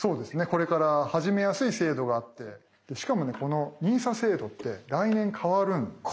これから始めやすい制度があってしかもねこのＮＩＳＡ制度って来年変わる。